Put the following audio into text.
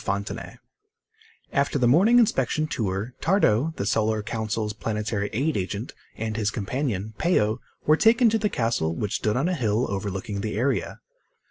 FONTENAY After the morning inspection tour, Tardo, the Solar Council's Planetary Aid agent, and his companion, Peo, were taken to the castle which stood on a hill overlooking the area.